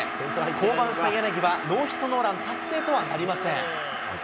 降板した柳は、ノーヒットノーラン達成とはなりません。